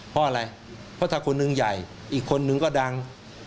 เพราะอะไรเพราะถ้าคนหนึ่งใหญ่อีกคนนึงก็ดัง